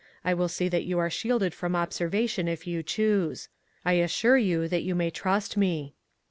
I will see that you are shielded from observation if you choose. I assure you that you may trust me."